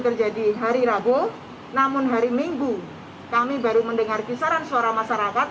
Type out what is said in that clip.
terjadi hari rabu namun hari minggu kami baru mendengar kisaran suara masyarakat